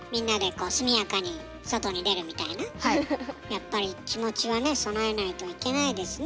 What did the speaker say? やっぱり気持ちはね備えないといけないですね。